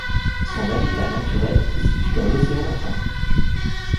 Son habitat naturel se situe dans l'océan Atlantique.